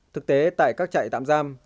thực tế tại các chạy tạm giam